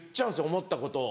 思ったことを。